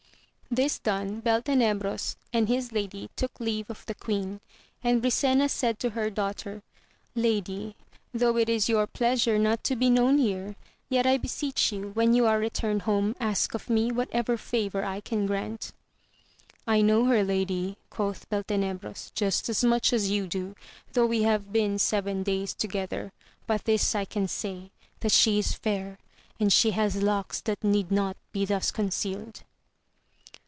This done, Beltenebros and his Lady took leave of the Queen ; and Brisena said to her daughter. Lady, though it is your pleasure not to be known here, yet I beseech you, when you are returned home, ask of me whatever favour I can grant. I know her lady, quoth Beltenebros, just as much as you do, though we have been seven days together; but this I can say, that she is fair, and she has locks that need not be thus concealed.